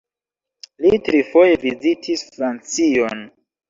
Li trifoje vizitis Francion.